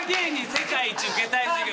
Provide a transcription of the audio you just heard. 世界一受けたい授業。